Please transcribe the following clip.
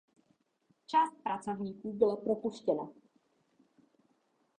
Část pracovníků byla propuštěna.